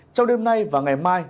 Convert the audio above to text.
trong đêm nay và ngày mai